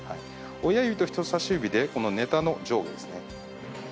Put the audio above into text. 親指と人さし指でこのネタの上下ですね。